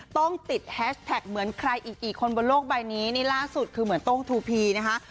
ต้องติดแฮชแท็กเหมือนใครอีกกี่คนบนโลกใบนี้นี่ล่าสุดคือเหมือนโต้งทูพีนะคะ